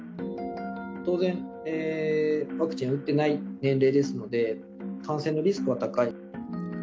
当然、ワクチンを打ってない年齢ですので、感染のリスクは高い。